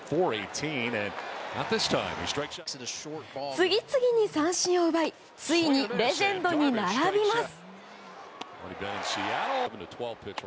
次々に三振を奪いついにレジェンドに並びます。